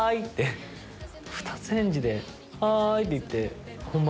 二つ返事で「はい！」っていって。